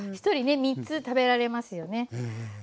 １人ね３つ食べられますよね。